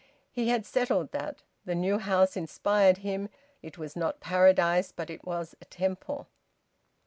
He had settled that. The new house inspired him. It was not paradise. But it was a temple.